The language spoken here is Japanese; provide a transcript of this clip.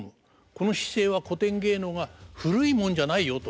この姿勢は古典芸能が古いもんじゃないよと。